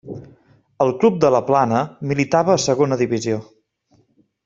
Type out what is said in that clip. El club de la Plana militava a Segona Divisió.